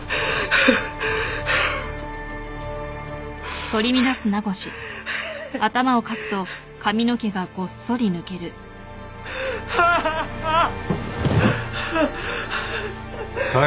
ハァハァああっ！